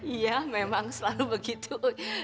iya memang selalu begitu